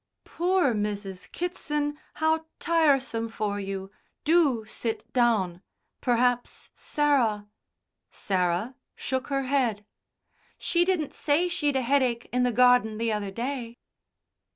"Poor Mrs. Kitson. How tiresome for you. Do sit down. Perhaps Sarah " Sarah shook her head. "She didn't say she'd a headache in the garden the other day."